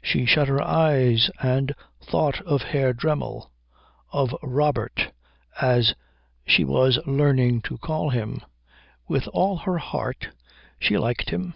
She shut her eyes and thought of Herr Dremmel; of Robert, as she was was learning to call him. With all her heart she liked him.